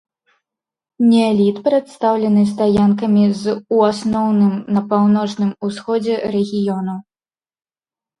Неаліт прадстаўлены стаянкамі з ў асноўным на паўночным усходзе рэгіёну.